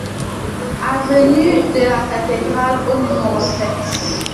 Avenue de la Cathédrale au numéro sept